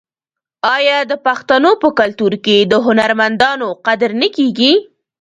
آیا د پښتنو په کلتور کې د هنرمندانو قدر نه کیږي؟